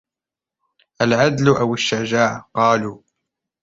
الْعَدْلُ أَوْ الشُّجَاعَةُ ؟ قَالُوا